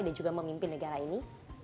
dan juga memimpin negara ini